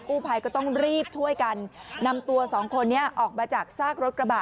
ภัยก็ต้องรีบช่วยกันนำตัวสองคนนี้ออกมาจากซากรถกระบะ